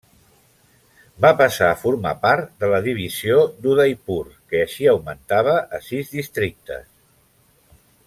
Va passar a formar part de la divisió d'Udaipur que així augmentava a sis districtes.